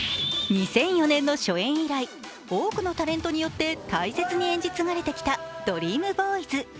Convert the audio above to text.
２００４年の初演以来多くのタレントによって大切に演じ継がれてきた「ＤＲＥＡＭＢＯＹＳ」。